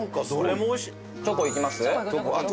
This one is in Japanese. チョコいきます？